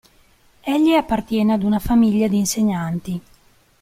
Egli appartiene ad una famiglia di insegnanti.